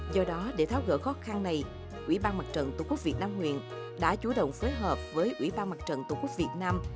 do đó để tháo gỡ khó khăn này ủy ban mặt trận tổ quốc việt nam huyện đã chủ động phối hợp với ủy ban mặt trận tổ quốc việt nam